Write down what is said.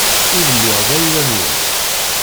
Ur lliɣ d ayla-nwent.